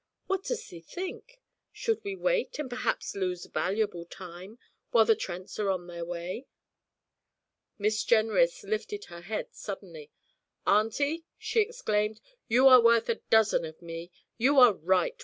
What does thee think? Should we wait, and perhaps lose valuable time, while the Trents are on their way?' Miss Jenrys lifted her head suddenly. 'Auntie,' she exclaimed, 'you are worth a dozen of me! You are right!